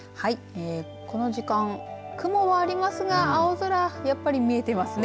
この時間、雲はありますが青空やっぱり見えていますね。